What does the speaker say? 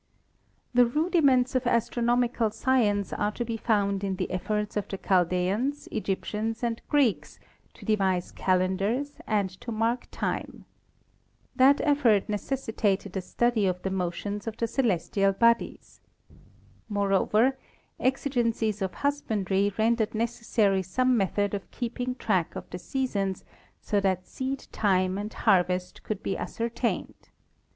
The rudiments of astronomical science are to be found in the efforts of the Chaldeans, Egyptians and Greeks to devise calendars and to mark time. That effort neces sitated a study of the motions of the celestial bodies. Moreover, exigencies of husbandry rendered necessary some method of keeping track of the seasons so that seed time and harvest could be ascertained.